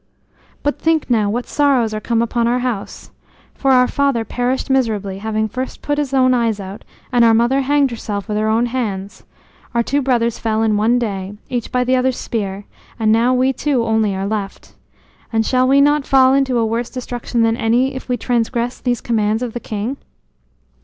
"But think now what sorrows are come upon our house. For our father perished miserably, having first put out his own eyes; and our mother hanged herself with her own hands; our two brothers fell in one day, each by the other's spear; and now we two only are left. And shall we not fall into a worse destruction than any, if we transgress these commands of the king?